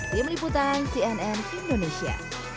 di meliputan cnn indonesia